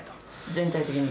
全体的に？